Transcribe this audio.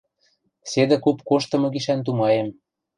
— Седӹ куп коштымы гишӓн тумаем.